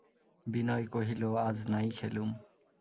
বিনয় কহিল, আজ নাই খেলুম।